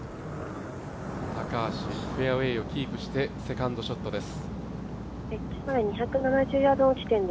高橋、フェアウエーをキープしてセカンドショットです。